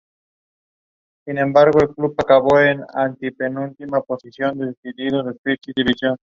Ese mismo año apareció en la serie "The Young Doctors" interpretando a Lisa Brooks.